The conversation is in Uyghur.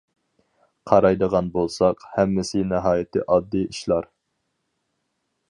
قارايدىغان بولساق، ھەممىسى ناھايىتى ئاددىي ئىشلار.